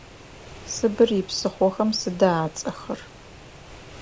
Сыбыр ипсыхъохэм сыда ацӏэхэр?